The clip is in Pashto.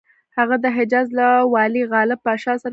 هغه د حجاز له والي غالب پاشا سره په دسیسو لګیا وو.